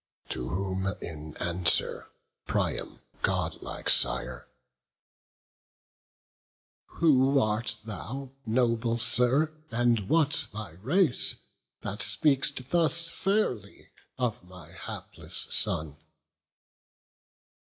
To whom in answer Priam, godlike sire: "Who art thou, noble Sir, and what thy race, That speak'st thus fairly of my hapless son?"